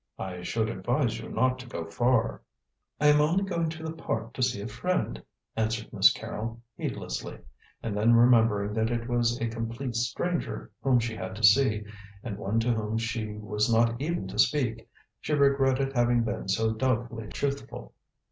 "I should advise you not to go far." "I am only going to the Park to see a friend," answered Miss Carrol, heedlessly; and then remembering that it was a complete stranger whom she had to see, and one to whom she was not even to speak, she regretted having been so doubtfully truthful.